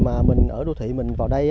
mà mình ở đô thị mình vào đây